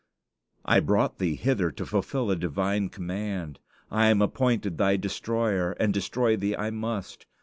"I brought thee hither to fulfill a divine command. I am appointed thy destroyer, and destroy thee I must."